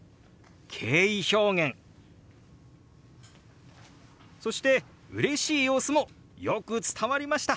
敬意表現そしてうれしい様子もよく伝わりました。